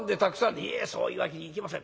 「いえそういうわけにいきません。